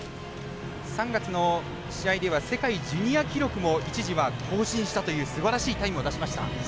３月の試合では世界ジュニア記録も一時は更新したというすばらしいタイムを出しました。